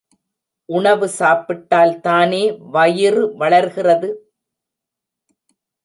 உணவு சாப்பிட்டால் தானே வயிறு வளர்கிறது.